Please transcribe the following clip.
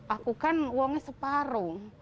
aku kan wangi separuh